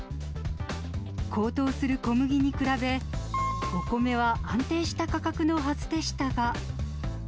高騰する小麦に比べ、お米は安定した価格のはずでしたが。